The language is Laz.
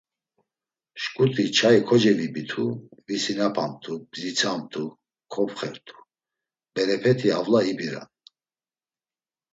Şǩuti çai kocevubitu, visinapamtu bzitsamtu kopxertu, berepeti avla ibiran.